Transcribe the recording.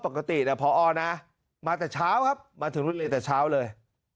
ปกติพอนะมาแต่เช้าครับมาถึงโรงเรียนแต่เช้าเลย